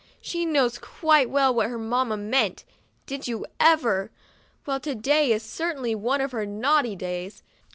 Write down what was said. " She knows quite well what her mamma meant. Did you ever! Well, to day is certainly one of her naughty days.